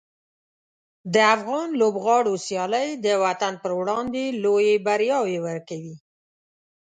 د افغان لوبغاړو سیالۍ د وطن پر وړاندې لویې بریاوې ورکوي.